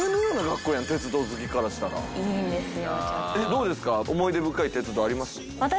どうですか？